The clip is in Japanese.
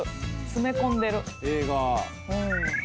詰め込んでる。